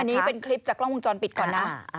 อันนี้เป็นคลิปจากกล้องวงจรปิดก่อนนะ